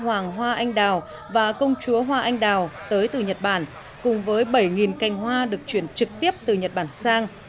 hoàng hoa anh đào và công chúa hoa anh đào tới từ nhật bản cùng với bảy cành hoa được chuyển trực tiếp từ nhật bản sang